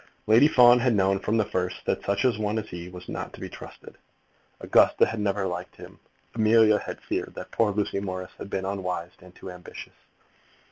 Lady Fawn had known from the first that such a one as he was not to be trusted. Augusta had never liked him. Amelia had feared that poor Lucy Morris had been unwise, and too ambitious.